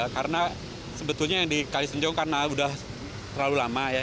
karena sebetulnya di kalisuntar karena sudah terlalu lama ya